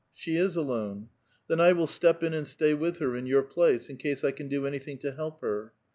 " She is alone." '* Then 1 will step in and stay with her, in your place, in case I can do anything to help her."